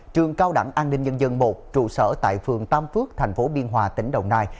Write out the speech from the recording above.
trường cao đẳng an ninh nhân dân một trụ sở tại phường tam phước thành phố biên hòa tỉnh đồng nai